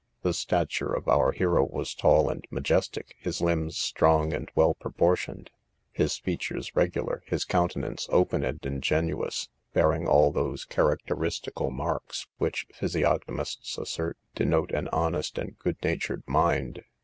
The stature of our hero was tall and majestic, his limbs strong and well proportioned, his features regular, his countenance open and ingenuous, bearing all those characteristical marks which physiognomists assert denote an honest and good natured mind.